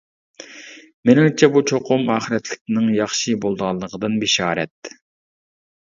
مېنىڭچە بۇ چوقۇم ئاخىرەتلىكىنىڭ ياخشى بولىدىغانلىقىدىن بېشارەت.